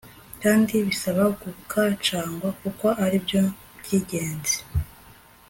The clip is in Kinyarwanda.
kandi bisaba gukacangwa kuko ari byo byingenzi